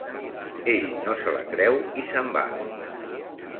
Ell no se la creu i se'n va.